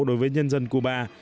đối với nhân dân cuba